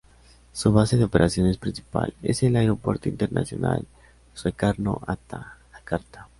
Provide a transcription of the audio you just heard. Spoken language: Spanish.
Su base de operaciones principal es el Aeropuerto Internacional Soekarno-Hatta, Jakarta.